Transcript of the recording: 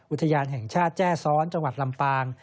อุทยานแห่งชาติแจ้ซ้อนจังหวัดลำปาง